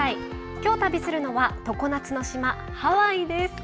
きょう旅するのは常夏の島ハワイです。